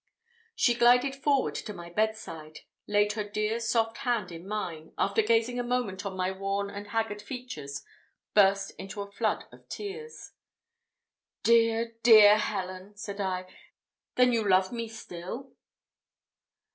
She glided forward to my bedside, laid her dear soft hand in mine: after gazing for a moment on my worn and haggard features, burst into a flood of tears. "Dear, dear Helen!" said I, "then yon love me still?"